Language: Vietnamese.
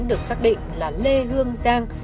được xác định là lê hương giang